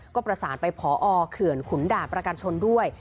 ก็ประสานไปพอเขื่อนขุนด่านประกันชนด้วย